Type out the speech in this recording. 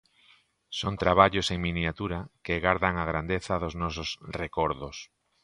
Son traballos en miniatura que gardan a grandeza dos nosos recordos.